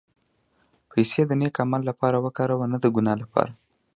پېسې د نېک عمل لپاره وکاروه، نه د ګناه لپاره.